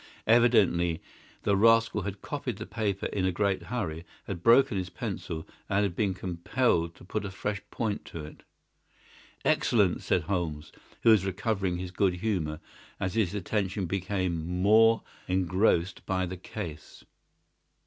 Evidently the rascal had copied the paper in a great hurry, had broken his pencil, and had been compelled to put a fresh point to it." "Excellent!" said Holmes, who was recovering his good humour as his attention became more engrossed by the case.